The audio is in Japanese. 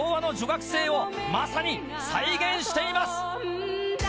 学生をまさに再現しています！